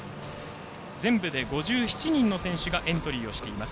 全部で５７人の選手がエントリーしています。